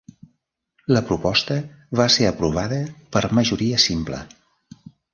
La proposta va ser aprovada per majoria simple.